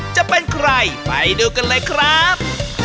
จะเป็นใครไปดูกันเลยครับ